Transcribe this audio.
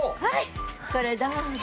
これどうぞ。